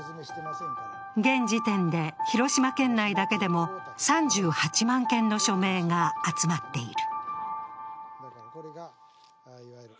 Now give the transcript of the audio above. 現時点で広島県内だけでも３８万件の署名が集まっている。